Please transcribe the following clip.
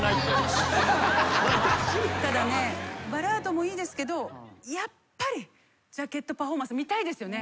ただねバラードもいいですけどやっぱりジャケットパフォーマンス見たいですよね。